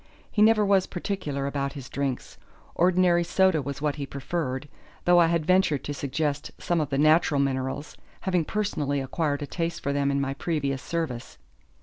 He never was particular about his drinks; ordinary soda was what he preferred, though I had ventured to suggest some of the natural minerals, having personally acquired a taste for them in my previous service.